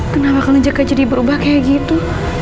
kenapa kalau jaka jadi berubah kayak gitu